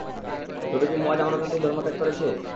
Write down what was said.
তবে কি মুয়ায আমার অজান্তেই ধর্ম ত্যাগ করেছে?